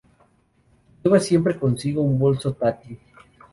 Lleva siempre consigo un bolso Tati.